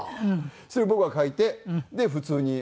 それ僕が書いてで普通に戻して。